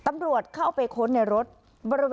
อันดับที่สุดท้าย